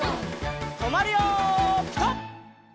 とまるよピタ！